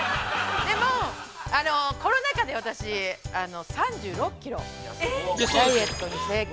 でも、コロナ禍で、私、３６キロダイエットに成功。